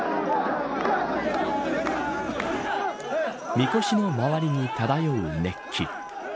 みこしの周りに漂う熱気。